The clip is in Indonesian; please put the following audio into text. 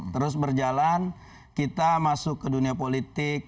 terus berjalan kita masuk ke dunia politik